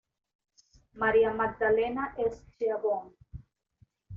María Magdalena Schiavone.